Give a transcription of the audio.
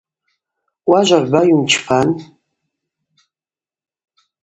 Уажва гӏвба йуымчпан.